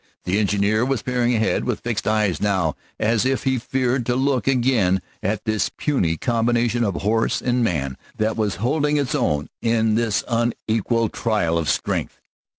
The engineer was peering ahead with fixed eyes now, as if he feared to look again on this puny combination of horse and man that was holding its own in this unequal trial of strength.